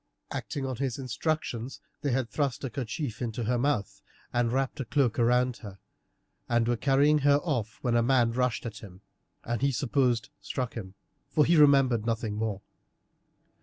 Acting on his instructions they had thrust a kerchief into her mouth, and wrapped a cloak round her, and were carrying her off when a man rushed at him, and he supposed struck him, for he remembered nothing more.